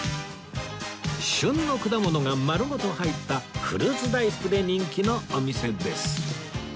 旬の果物が丸ごと入ったフルーツ大福で人気のお店です